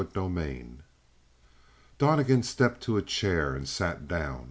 25 Donnegan stepped to a chair and sat down.